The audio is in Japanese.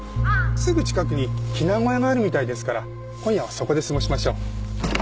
すぐ近くに避難小屋があるみたいですから今夜はそこで過ごしましょう。